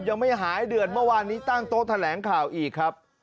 ยังไม่หายเดือดเมื่อวานนี้ตั้งโต๊ะแถลงข่าวอีกครับ